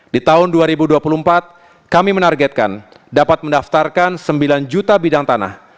di tahun dua ribu dua puluh empat kami menargetkan dapat mendaftarkan sembilan juta bidang tanah